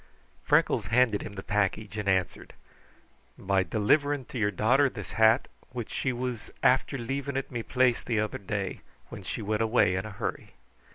Freckles handed him the package and answered, "By delivering to your daughter this hat, which she was after leaving at me place the other day, when she went away in a hurry.